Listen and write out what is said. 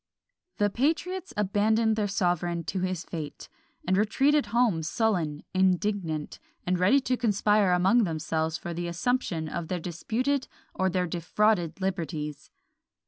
The patriots abandoned their sovereign to his fate, and retreated home sullen, indignant, and ready to conspire among themselves for the assumption of their disputed or their defrauded liberties.